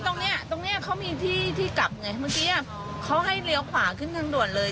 ตรงเนี้ยตรงเนี้ยเขามีที่ที่กลับไงเมื่อกี้เขาให้เลี้ยวขวาขึ้นทางด่วนเลย